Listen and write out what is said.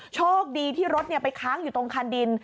โชคดีที่รถไปค้างอยู่ตรงคันดิน